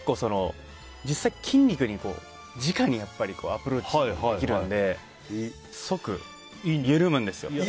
実際、筋肉にじかにアプローチできるので即、緩むんですよ。